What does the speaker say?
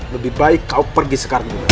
lebih baik kau pergi sekarang